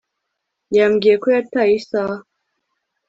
yambwiye ko yataye isaha